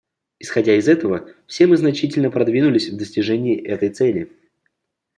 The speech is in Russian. Исходя из этого, все мы значительно продвинулись в достижении этой цели.